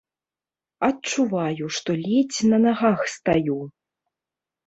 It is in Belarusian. Адчуваю, што ледзь на нагах стаю.